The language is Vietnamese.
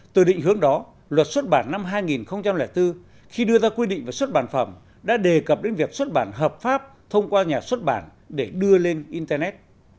từ định hướng đó luật xuất bản năm hai nghìn bốn khi đưa ra quy định về xuất bản phẩm đã đề cập đến việc xuất bản hợp pháp thông qua nhà xuất bản để đưa lên internet